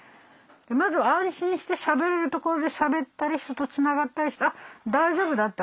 まずは安心してしゃべれるところでしゃべったり人とつながったりして大丈夫だって。